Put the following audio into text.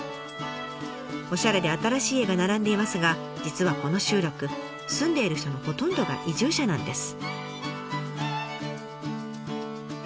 おしゃれで新しい家が並んでいますが実はこの集落住んでいる人のほとんどが移住者なんです。